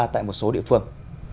tại một số địa phương